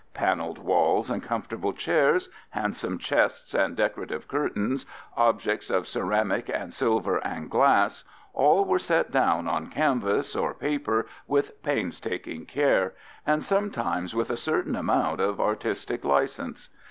Paneled walls and comfortable chairs, handsome chests and decorative curtains, objects of ceramic and silver and glass, all were set down on canvas or paper with painstaking care, and sometimes with a certain amount of artistic license.